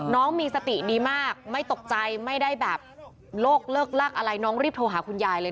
น้องมีสติดีมากไม่ตกใจไม่ได้แบบโลกเลิกลักอะไรน้องรีบโทรหาคุณยายเลย